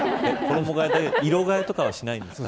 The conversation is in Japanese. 色替えとかはしないんですか。